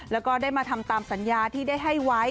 แล้วก็ได้มาทำตามสัญญาที่ได้ให้ไว้